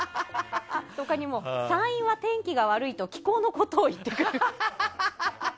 他にも山陰は天気が悪いと気候のことを言ってくる。